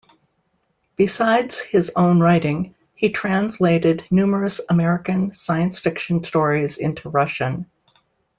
Besides his own writing, he translated numerous American science fiction stories into Russian.